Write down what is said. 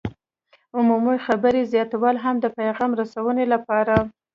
عمومي خبرې زیاتول هم د پیغام رسونې لپاره